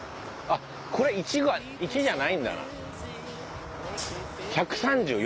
あっこれ１じゃないんだな。